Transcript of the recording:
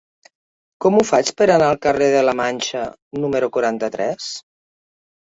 Com ho faig per anar al carrer de la Manxa número quaranta-tres?